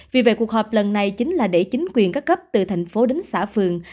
vì vậy cuộc họp lần này chính là để chính quyền các cấp từ thành phố đến xã phường